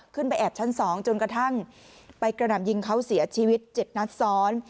แอบชั้น๒จนกระทั่งไปกระหน่ำยิงเขาเสียชีวิต๗นัดซ้อน